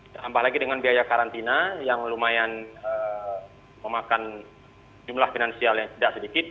ditambah lagi dengan biaya karantina yang lumayan memakan jumlah finansial yang tidak sedikit